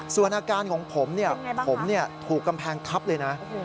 ส่วนอาการของผมผมถูกกำแพงทับเลยนะ